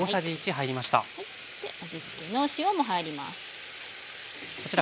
味つけの塩も入ります。